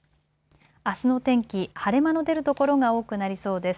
あすの天気、晴れ間の出る所が多くなりそうです。